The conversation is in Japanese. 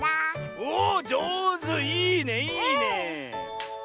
おおっじょうずいいねいいねえ。